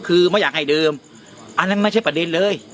คือไม่อยากให้เดิมอันนั้นไม่ใช่ประเด็นเลย